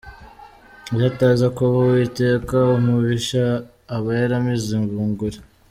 Iyo ataza kuba uwiteka umubisha aba yaramize bunguri”.